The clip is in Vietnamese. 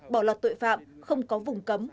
bỏ lọt tội phạm không có vùng cấm